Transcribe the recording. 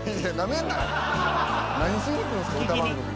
何しに来るんですか歌番組に。